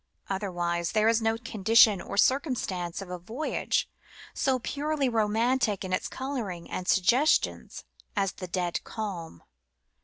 Otherwise there is no condition or circumstance of a voyage so purely romantic in its colouring and suggestions as the dead calm.